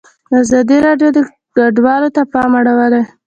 ازادي راډیو د کډوال ته پام اړولی.